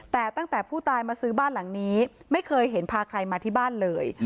แต่ตั้งแต่ผู้ตายมาซื้อบ้านหลังนี้ไม่เคยเห็นพาใครมาที่บ้านเลย